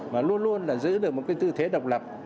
và luôn luôn giữ được một tư thế độc lập